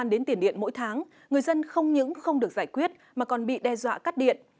đến tiền điện mỗi tháng người dân không những không được giải quyết mà còn bị đe dọa cắt điện